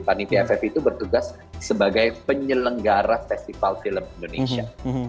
panitia ff itu bertugas sebagai penyelenggara festival film indonesia